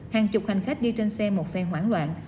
hàng chục hành khách đi trên xe một xe hoảng loạn